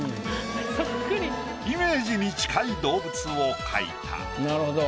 イメージに近い動物を描いた。